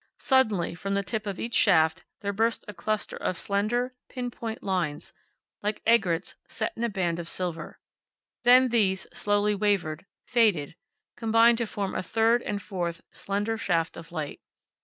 Suddenly, from the tip of each shaft, there burst a cluster of slender, pin point lines, like aigrettes set in a band of silver. Then these slowly wavered, faded, combined to form a third and fourth slender shaft of light.